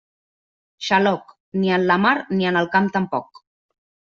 Xaloc, ni en la mar ni en el camp tampoc.